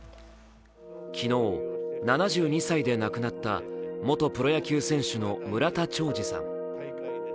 昨日、７２歳でなくなった元プロ野球選手の村田兆治さん。